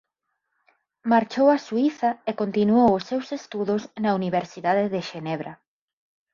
Marchou a Suíza e continuou os seus estudos na Universidade de Xenebra.